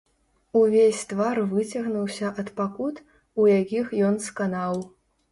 Увесь твар выцягнуўся ад пакут, у якіх ён сканаў.